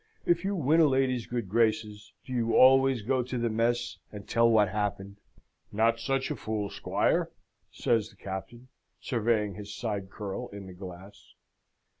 If you win a lady's good graces, do you always go to the mess and tell what happened?" "Not such a fool, Squire!" says the Captain, surveying his side curl in the glass.